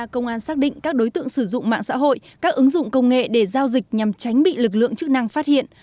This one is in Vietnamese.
công an xác định các đối tượng sử dụng mạng xã hội các ứng dụng công nghệ để giao dịch nhằm tránh bị lực lượng chức năng phát hiện